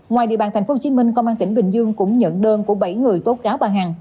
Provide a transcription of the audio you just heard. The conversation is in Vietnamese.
ngoài địa bàn tp hcm công an tp hcm cũng nhận đơn của bảy người tố cáo bà hằng